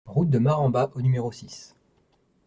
Route de Marambat au numéro six